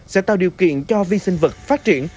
sẽ tạo điều kiện cho vi sinh vật phát triển